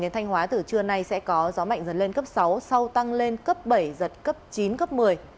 đến thanh hóa từ trưa nay sẽ có gió mạnh dần lên cấp sáu sau tăng lên cấp bảy giật cấp chín cấp một mươi